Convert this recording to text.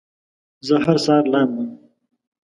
زه هر سهار لامبم